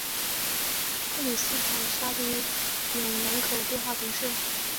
克吕斯旁沙提永人口变化图示